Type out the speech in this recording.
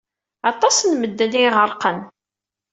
Aṭas n medden ay iɣerqen.